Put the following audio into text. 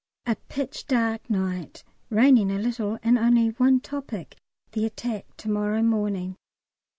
A pitch dark night, raining a little, and only one topic the Attack to morrow morning.